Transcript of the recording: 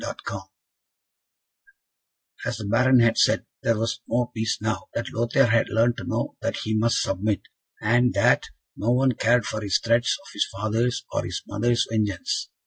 CHAPTER XI As the Baron had said, there was more peace now that Lothaire had learnt to know that he must submit, and that no one cared for his threats of his father's or his mother's vengeance.